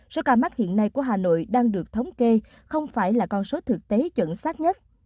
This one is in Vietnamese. số ca mắc hiện nay của hà nội đang được thống kê không phải là con số thực tế chuẩn xác nhất